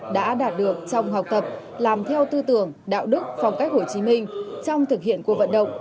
đã đạt được trong học tập làm theo tư tưởng đạo đức phong cách hồ chí minh trong thực hiện cuộc vận động